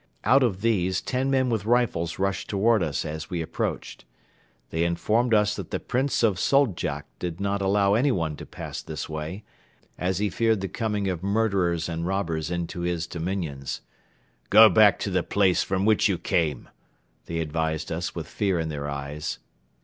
Out of these ten men with rifles rushed toward us as we approached. They informed us that the Prince of Soldjak did not allow anyone to pass this way, as he feared the coming of murderers and robbers into his dominions. "Go back to the place from which you came," they advised us with fear in their eyes.